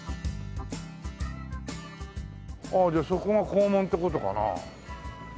ああそこが校門って事かな？